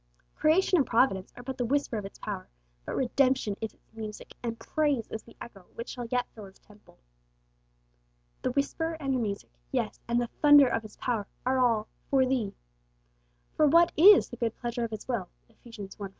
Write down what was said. Creation and Providence are but the whisper of its power, but Redemption is its music, and praise is the echo which shall yet fill His temple. The whisper and the music, yes, and 'the thunder of His power,' are all 'for thee.' For what is 'the good pleasure of His will'? (Eph. i. 5.)